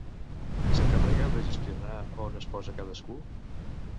Qui s'encarrega de gestionar on es posa cadascú?